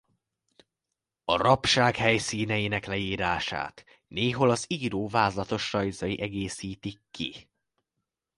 A rabság helyszíneinek leírását néhol az író vázlatos rajzai egészítik ki.